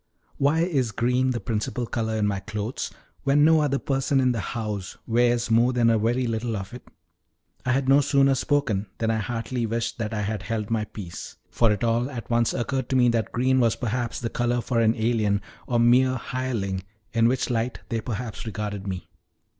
"Why is green the principal color in my clothes, when no other person in the house wears more than a very little of it?" I had no sooner spoken than I heartily wished that I had held my peace; for it all at once occurred to me that green was perhaps the color for an alien or mere hireling, in which light they perhaps regarded me.